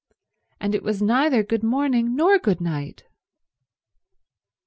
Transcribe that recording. And it was neither good morning nor good night.